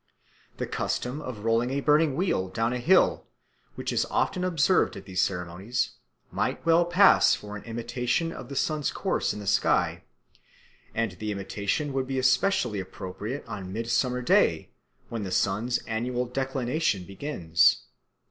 The custom of rolling a burning wheel down a hill, which is often observed at these ceremonies, might well pass for an imitation of the sun's course in the sky, and the imitation would be especially appropriate on Midsummer Day when the sun's annual declension begins.